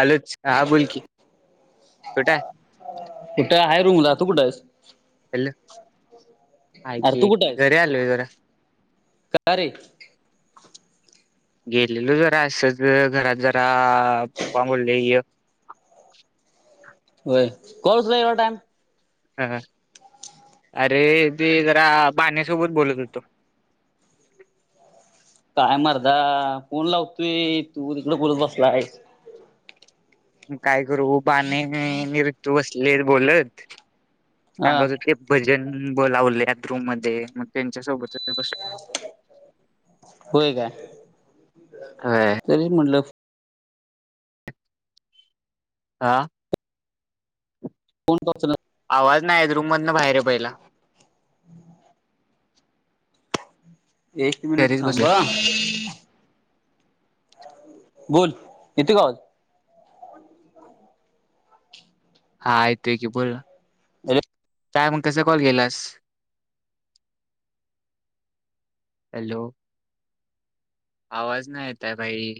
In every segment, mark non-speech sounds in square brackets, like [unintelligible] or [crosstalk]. आलोच. हा बोल की कुठं आहे कुठं हाय रूमला तू कुठं आहेस? हॅलो, हाय अरे तू की कुठं आहेस घरी आलोय जरा का रे? गेलेलो जरा असंच घरात जरा पप्पा बोलले य व्हय [unintelligible] हां हां अरे ते जरा बाण्यासोबत बोलत होतो. काय मरदा फोन लावतुय तू तिकडं बोलत बसलाय. काय करू बाने नि ऋतु बसलेत बोलत, हा सांगत होते. भजन बोलावल्यात रूम मध्ये मग त्यांच्यासोबत होय काय होय तरीच म्हटलं फोन हा फोन का उचलत आवाज नाय येत रूममधनं बाहेर ये पहिला एक मिनिट घरीच थांब बसलोय हां बोल येतोय का आवाज? हा येतोय की बोल. [unintelligible] काय मग कसा कॉल केलास? हॅलो! आवाज नाही येतये भाई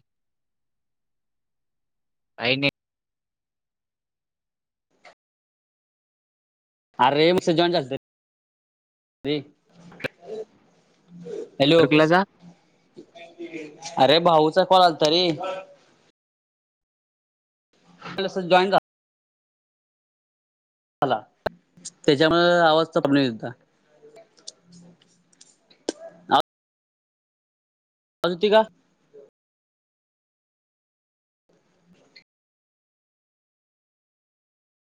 काही नाही अरे नुसत जॉइन हॅलो? नेटवर्कला जा अरे भाऊचा कॉल आलता रे. [unintelligible] जॉईन झा मला त्याच्यामुळ आवाजचा प्रोब्लेम यालता. आलती का [unintelligible]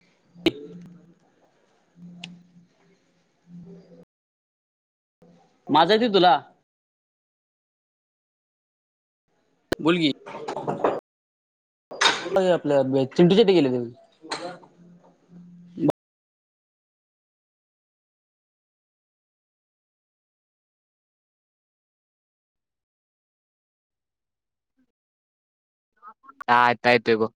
[unintelligible] [inaudible] माझा येतोय तुला बोल की, आपल [unintelligible] चिंटू गेले [unintelligible] [inaudible] हा, आता येतोय बघ.